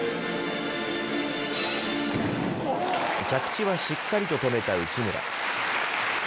着地はしっかりと止めた内村。